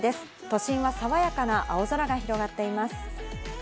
都心はさわやかな青空が広がっています。